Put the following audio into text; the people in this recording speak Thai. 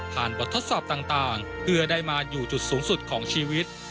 บททดสอบต่างเพื่อได้มาอยู่จุดสูงสุดของชีวิต